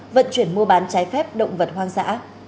vận chuyển mua bán trái phép động vật hoang dã